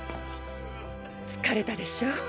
疲れたでしょう。